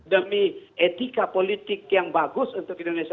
demi etika politik yang bagus untuk indonesia